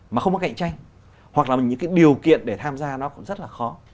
mà không có cạnh tranh hoặc là mình những cái điều kiện để tham gia nó cũng rất là khó